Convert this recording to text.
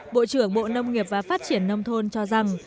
bộ trưởng bộ nông nghiệp và phát triển nông thôn cho rằng